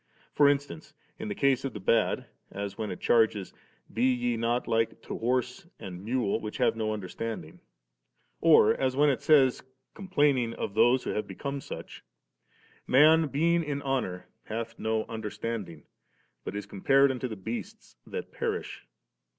For instance, in the case of the bad, as when it charges, 'Be ye not like to horse and mule which have no understanding'.* Or as when it says, complaining of those who have become such, ' Man, being in honour, hath no under standing, but is compared unto the beasts that perish.'